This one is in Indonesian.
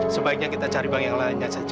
sebaiknya kita cari bank yang lainnya